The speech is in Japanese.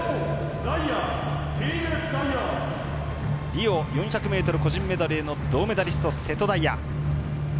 リオ４００ｍ個人メドレーの銅メダリスト、瀬戸大也。